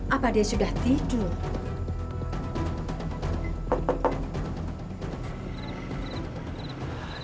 apa dia sudah tidur